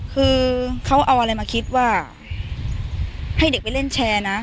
คือเขาเอาอะไรมาคิดว่าให้เด็กไปเล่นแชร์นะ